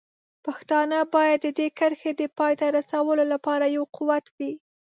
پښتانه باید د دې کرښې د پای ته رسولو لپاره یو قوت وي.